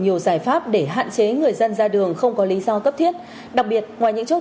nhiều giải pháp để hạn chế người dân ra đường không có lý do cấp thiết đặc biệt ngoài những chốt